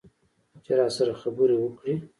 چې راسره خبرې وکړي.